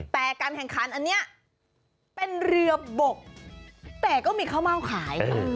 แต่การแข่งขันอันนี้เป็นเรือบกแต่ก็มีข้าวเม่าขาย